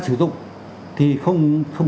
sử dụng thì không